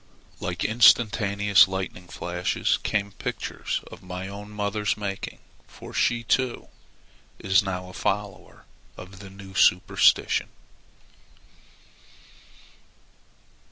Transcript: Like instantaneous lightning flashes came pictures of my own mother's making, for she, too, is now a follower of the new superstition.